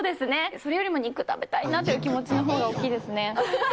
それよりも肉食べたいなという気持ちのほうが大きいですね。